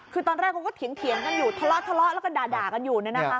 คือตอนแรกเขาก็เถียงกันอยู่ทะเลาะแล้วก็ด่ากันอยู่